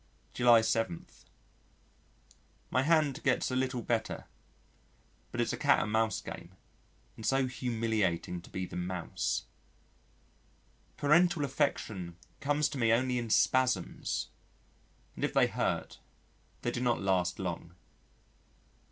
July 7. My hand gets a little better. But it's a cat and mouse game, and so humiliating to be the mouse. ... Parental affection comes to me only in spasms, and if they hurt, they do not last long.